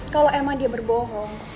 kalau emang dia berbohong